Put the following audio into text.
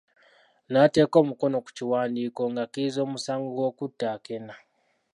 N'ateeka omukono ku kiwandiiko ng'akkiriza omusango gw'okutta Akena.